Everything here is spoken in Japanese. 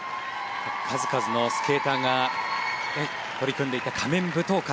数々のスケーターが取り組んでいった「仮面舞踏会」。